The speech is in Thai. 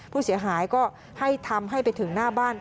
ผู้เสียหายก็ให้ทำให้ไปถึงหน้าบ้าน